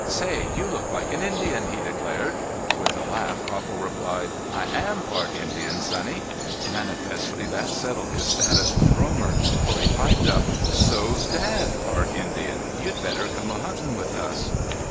"Say, you look like an Indian," he declared. With a laugh Copple replied: "I am part Indian, sonny." Manifestly that settled his status with Romer, for he piped up: "So's Dad part Indian. You'd better come huntin' with us."